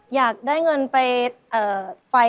อยากได้เงินไปไฟ